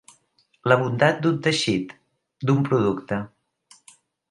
La bondat d'un teixit, d'un producte.